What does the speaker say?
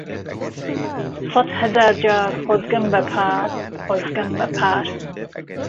سهد ههزار جار خۆزگهم به پار، خۆزگهم به پار